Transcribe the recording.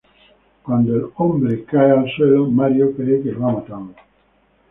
Cuando el hombre cae al suelo, Mario cree que lo ha matado.